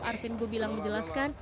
arvind gobilang menjelaskan